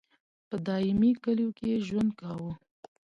په دایمي کلیو کې یې ژوند کاوه.